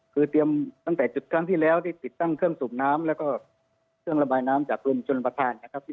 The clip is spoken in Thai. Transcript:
คือเตรียมตั้งแต่จุดครั้งที่แล้วที่ติดตั้งเครื่องสูบน้ำแล้วก็เครื่องระบายน้ำจากกรมชนประธานนะครับ